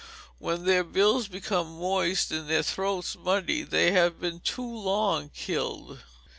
When their bills become moist, and their throats muddy, they have been too long killed.